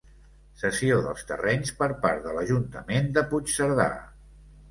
Cessió dels terrenys per part de l’ajuntament de Puigcerdà.